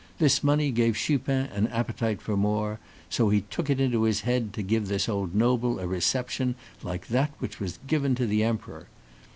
This money gave Chupin an appetite for more, so he took it into his head to give this old noble a reception like that which was given to the Emperor.